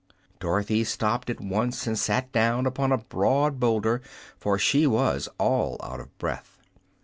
Dorothy stopped at once and sat down upon a broad boulder, for she was all out of breath.